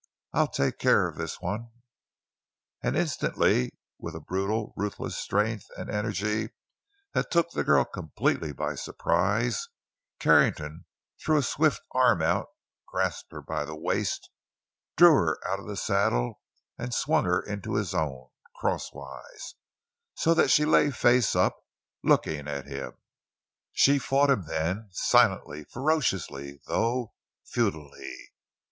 I'll take care of this one!" And instantly, with a brutal, ruthless strength and energy that took the girl completely by surprise, Carrington threw a swift arm out, grasped her by the waist, drew her out of the saddle, and swung her into his own, crosswise, so that she lay face up, looking at him. She fought him then, silently, ferociously, though futilely.